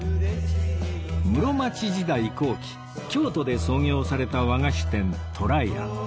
室町時代後期京都で創業された和菓子店とらや